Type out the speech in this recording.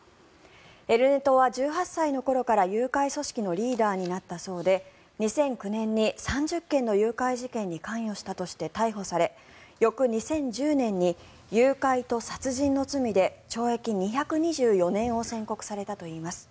エル・ネトは１８歳の頃から誘拐組織のリーダーになったそうで２００９年に３０件の誘拐事件に関与したとして逮捕され翌２０１０年に誘拐と殺人の罪で懲役２２４年を宣告されたといいます。